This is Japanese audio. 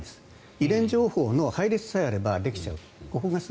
遺伝情報の配列さえあればできちゃうんです。